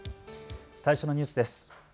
最初のニュースです。